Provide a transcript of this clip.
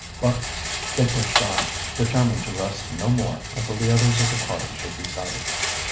But they pushed on, determined to rest no more until the others of the party should be sighted.